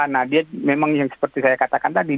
nah dia memang yang seperti saya katakan tadi